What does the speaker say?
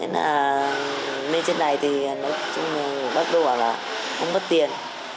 nên trên này thì nói chung bạc đô bảo là không mất tiền